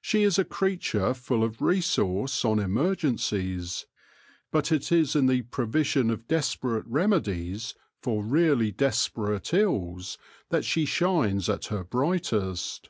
She is a creature full of resource on emergencies, but it is in the provision of desperate remedies for really desperate ills that she shines at her brightest.